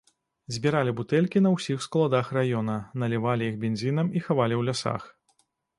Збіралі бутэлькі на ўсіх складах раёна, налівалі іх бензінам і хавалі ў лясах.